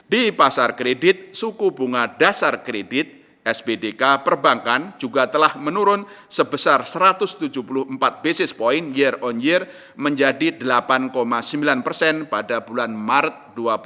di pasar kredit suku bunga dasar kredit sbdk perbankan juga telah menurun sebesar satu ratus tujuh puluh empat basis point year on year menjadi delapan sembilan persen pada bulan maret dua ribu dua puluh